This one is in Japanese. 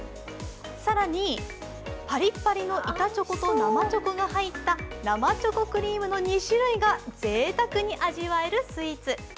更に、パリパリの板チョコと生チョコが入った生チョコクリームの２種類がぜいたくに味わえるスイーツ。